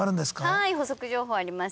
はい補足情報あります。